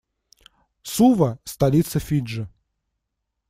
Сува - столица Фиджи.